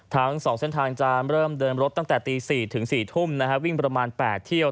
ทั้ง๒เส้นทางจะเริ่มเดินรถตั้งแต่ตี๔ถึง๔ทุ่มวิ่งประมาณ๘เที่ยว